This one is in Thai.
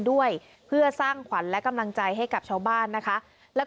ด้วยเพื่อสร้างขวัญและกำลังใจให้กับชาวบ้านนะคะแล้ว